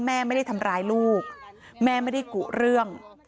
แม่ไม่ได้ทำร้ายลูกแม่ไม่ได้กุเรื่อง